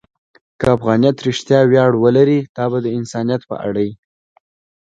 که افغانیت رښتیا ویاړ ولري، دا به د انسانیت په اړه وي.